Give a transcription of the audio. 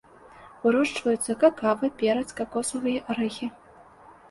Вырошчваюцца какава, перац, какосавыя арэхі.